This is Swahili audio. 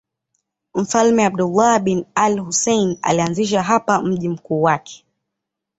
Mfalme Abdullah bin al-Husayn alianzisha hapa mji mkuu wake.